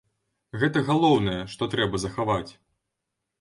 Гэта галоўнае, што трэба захаваць.